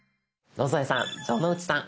野添さん城之内さん